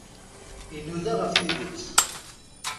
Inuda ɣef tidet.